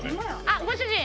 あっご主人！